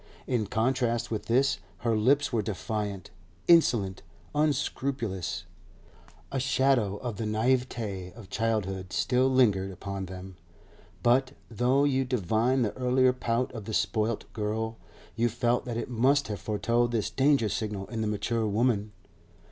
In contrast with this her lips were defiant, insolent, unscrupulous; a shadow of the naivete of childhood still lingered upon them, but, though you divined the earlier pout of the spoilt girl, you felt that it must have foretold this danger signal in the mature woman.